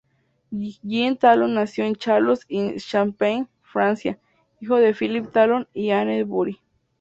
Jean Talon nació en Châlons-en-Champagne, Francia, hijo de Philippe Talon y de Anne Bury.